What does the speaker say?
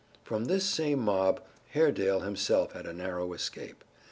From this same mob Haredale himself had a narrow escape.